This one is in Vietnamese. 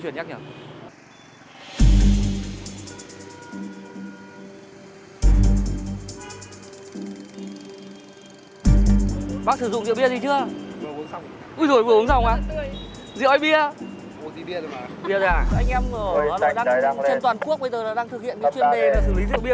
chuyên đề là xử lý rượu bia